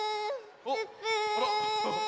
あっあら？